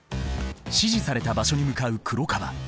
指示された場所に向かう黒川。